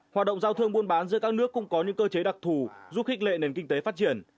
hoạt động giao thương buôn bán giữa các nước cũng có những cơ chế đặc thù giúp khích lệ nền kinh tế phát triển